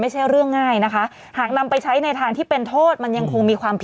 มันเฉพาะน่าจะไม่ออกเป็นกฎหมายแต่อาจจะอยู่ตาม